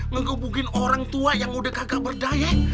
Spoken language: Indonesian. menghubungin orang tua yang udah kagak berdaya